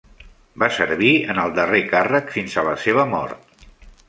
Va servir en el darrer càrrec fins a la seva mort.